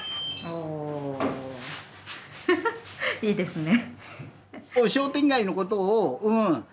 いいですね。